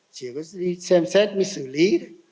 chỉ có đi xem xét đi xử lý